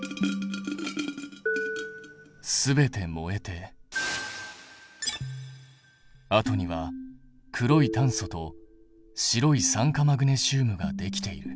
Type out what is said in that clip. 全て燃えてあとには黒い炭素と白い酸化マグネシウムができている。